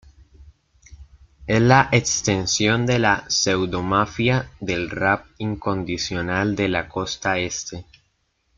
Es la extensión de la pseudo-Mafia del rap incondicional de la costa este.